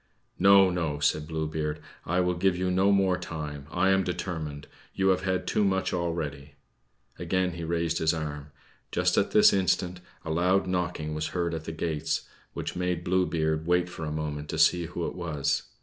"No, no," said Blue Beard; "I will give you no more time, I am determined. You have had too much already." Again he raised his arm. Just at this instant a loud knocking was heard at the gates, which made Blue Beard wait for a moment to see who it was.